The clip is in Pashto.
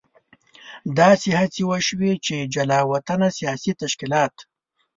داسې هڅې وشوې چې جلا وطنه سیاسي تشکیلات.